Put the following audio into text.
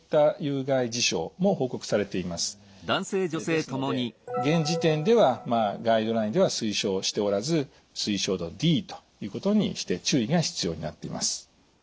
ですので現時点ではガイドラインでは推奨しておらず推奨度Ｄということにして注意が必要になっています。